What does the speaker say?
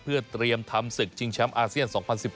เพื่อเตรียมทำศึกชิงแชมป์อาเซียน๒๐๑๘